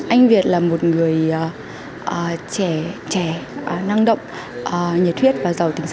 anh việt là một người trẻ năng động nhiệt huyết và giỏi